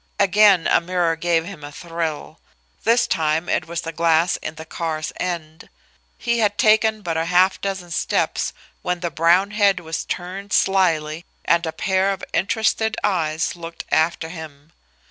Again a mirror gave him a thrill. This time it was the glass in the car's end. He had taken but a half dozen steps when the brown head was turned slyly and a pair of interested eyes looked after him.